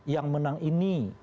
yang menang ini